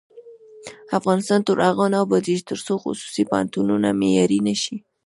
افغانستان تر هغو نه ابادیږي، ترڅو خصوصي پوهنتونونه معیاري نشي.